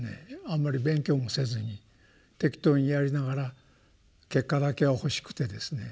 あんまり勉強もせずに適当にやりながら結果だけは欲しくてですね